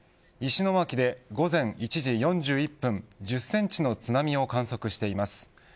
石巻で午前１時４１分１０センチの津波を観測しています。